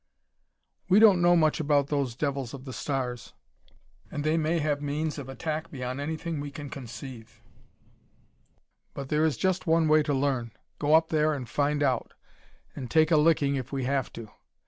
"We don't know much about those devils of the stars, and they may have means of attack beyond anything we can conceive, but there is just one way to learn: go up there and find out, and take a licking if we have to.